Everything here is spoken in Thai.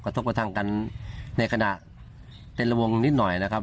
กระทบกระทั่งกันในขณะเต้นระวงนิดหน่อยนะครับ